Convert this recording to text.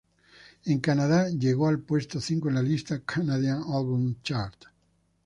En Canadá, llegó al puesto cinco en la lista "Canadian Albums Chart".